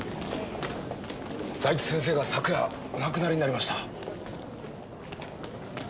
財津先生が昨夜お亡くなりになりました。